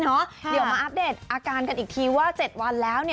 เดี๋ยวมาอัปเดตอาการกันอีกทีว่า๗วันแล้ว